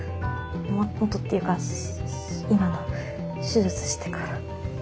元っていうか今の手術してから。